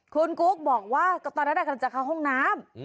คุณกุ๊กบอกว่าตอนนั้นกำลังจะเข้าห้องน้ำ